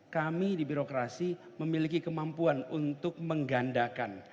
kami di birokrasi memiliki kemampuan untuk menggandakan